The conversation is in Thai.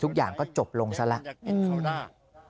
ทุกอย่างก็จบลงซะละในเห็ดเขาหน้า